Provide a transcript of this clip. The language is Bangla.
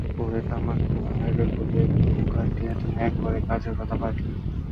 ওরে তামাক নিয়ে আয় রে বলিয়া একটা হুংকার দিয়া তিনি একেবারেই কাজের কথা পাড়িলেন।